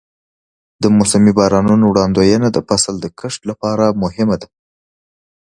د موسمي بارانونو وړاندوینه د فصل د کښت لپاره مهمه ده.